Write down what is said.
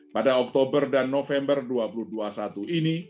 pada oktober dan november dua ribu dua puluh satu ini